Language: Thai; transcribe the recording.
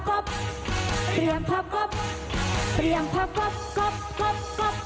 เตรียมพับกรอบ